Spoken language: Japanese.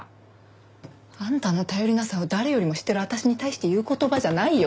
あんたの頼りなさを誰よりも知ってる私に対して言う言葉じゃないよ